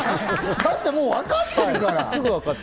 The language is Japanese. だってもう、わかってるから。